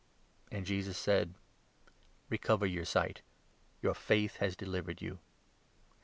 And Jesus said :" Recover your sight, your faith has delivered 42 you."